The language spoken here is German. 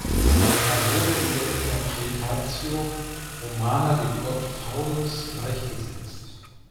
Er wurde in der Interpretatio Romana dem Gott Faunus gleichgesetzt.